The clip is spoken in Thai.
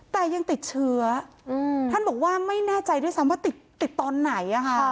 แต่ยังติดเชื้อท่านบอกว่าไม่แน่ใจด้วยซ้ำว่าติดตอนไหน